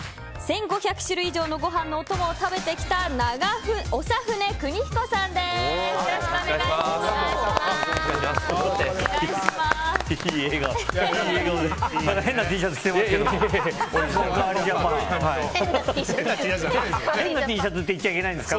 １５００種類以上のご飯のお供を食べてきた長船クニヒコさんです。